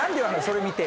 それ見て。